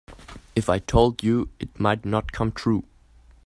If I told you it might not come true.